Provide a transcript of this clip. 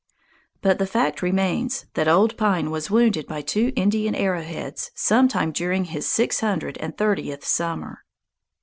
But the fact remains that Old Pine was wounded by two Indian arrowheads some time during his six hundred and thirtieth summer.